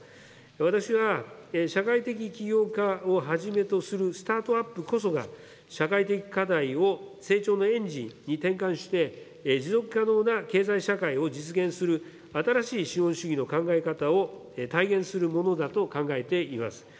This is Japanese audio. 私は社会的起業家をはじめとするスタートアップこそが、社会的課題を成長のエンジンに転換して、持続可能な経済社会を実現する、新しい資本主義の考え方を体現するものだと考えています。